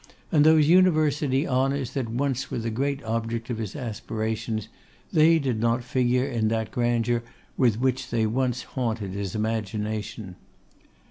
And those University honours that once were the great object of his aspirations, they did not figure in that grandeur with which they once haunted his imagination.